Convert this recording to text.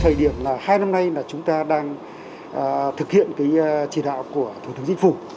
thời điểm là hai năm nay là chúng ta đang thực hiện cái chỉ đạo của thủ tướng chính phủ